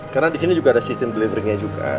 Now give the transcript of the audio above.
karena di sini juga ada sistem beletringnya juga